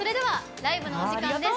ライブのお時間です。